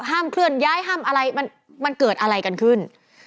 ห้ามเคลื่อนย้ายห้ามอะไรมันเกิดอะไรกันขึ้น